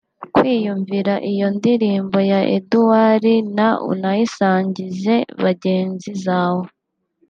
kwiyumvira iyo ndirimbo ya Edouardna unayisangize bagenzi zawe